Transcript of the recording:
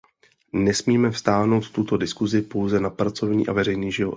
Nesmíme vztahovat tuto diskusi pouze na pracovní a veřejný život.